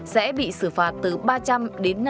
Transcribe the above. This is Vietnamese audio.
sẽ bị xử phạt từ ba trăm linh đến